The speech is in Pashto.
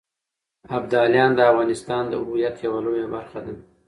ابداليان د افغانستان د هویت يوه لويه برخه ده.